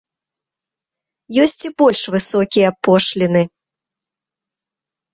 Ёсць і больш высокія пошліны.